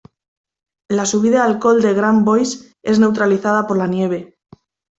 La subida al col de Grand Bois es neutralizada por la nieve.